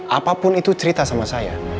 apapun itu cerita sama saya